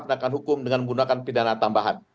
penegakan hukum dengan menggunakan pidana tambahan